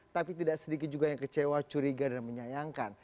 tapi tidak sedikit juga yang kecewa curiga dan menyayangkan